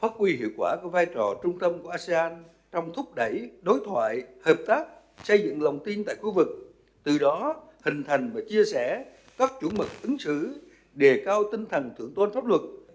phát huy hiệu quả của vai trò trung tâm của asean trong thúc đẩy đối thoại hợp tác xây dựng lòng tin tại khu vực từ đó hình thành và chia sẻ các chủ mực ứng xử đề cao tinh thần thượng tôn pháp luật